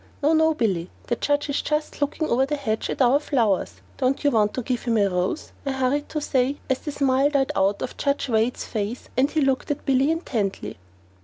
"No, no, Billy; the judge is just looking over the hedge at our flowers! Don't you want to give him a rose?" I hurried to say, as the smile died out of Judge Wade's face and he looked at Billy intently.